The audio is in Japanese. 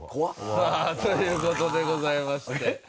さあという事でございまして。